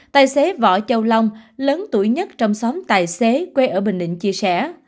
tài xế võ châu long lớn tuổi nhất trong xóm tài xế quê ở bình định chia sẻ